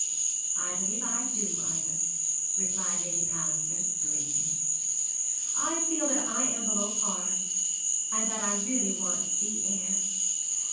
'I believe I do, Ida,' replied Lady Palliser, gravely. 'I feel that I am below par, and that I really want sea air.